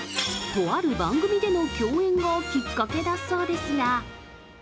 とある番組での共演がきっかけだそうですが。